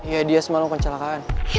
ya dia semalam kecelakaan